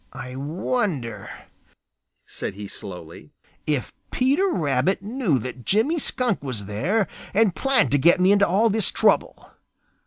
"I wonder," said he slowly, "if Peter Rabbit knew that Jimmy Skunk was there and planned to get me into all this trouble.